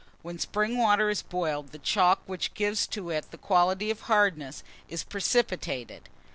When spring water is boiled, the chalk which gives to it the quality of hardness, is precipitated.